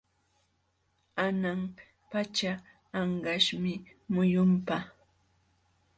Hanan pacha anqaśhmi muyunpa.